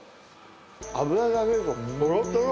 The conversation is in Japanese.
油で揚げるとトロトロ。